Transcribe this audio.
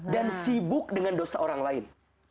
dan sibuk dengan dosa orang lain